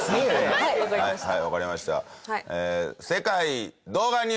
はいわかりました。